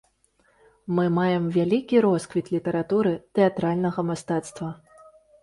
Мы маем вялікі росквіт літаратуры, тэатральнага мастацтва.